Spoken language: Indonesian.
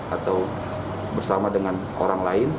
atau bersama dengan orang lain